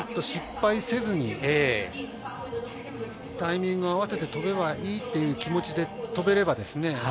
失敗せずにタイミングを合わせて飛べばいいという気持ちで飛べればですね。